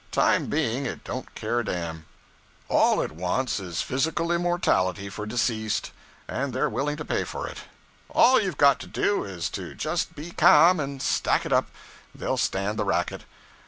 Time being, it don't care a dam. All it wants is physical immortality for deceased, and they're willing to pay for it. All you've got to do is to just be ca'm and stack it up they'll stand the racket.